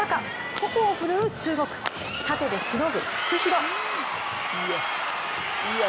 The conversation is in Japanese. ホコを振るう中国タテでしのぐフクヒロ。